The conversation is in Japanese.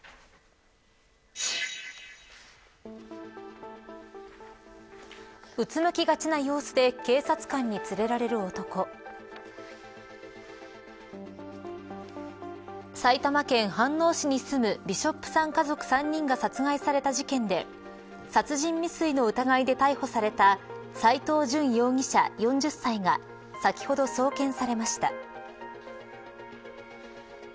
以上、得するウォッチング！の続いてはうつむきがちな様子で警察官に連れられる男埼玉県飯能市に住むビショップさん家族３人が殺害された事件で殺人未遂の疑いで逮捕された斎藤淳容疑者、４０歳が先ほど、送検されました。